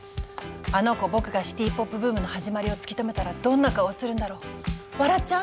「あの娘ぼくがシティポップブームのはじまりを突き止めたらどんな顔するだろう笑っちゃう？